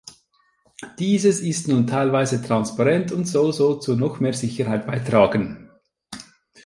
Dieses ist nun teilweise transparent und soll so zu noch mehr Sicherheit beitragen.